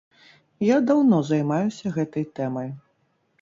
Я даўно займаюся гэтай тэмай.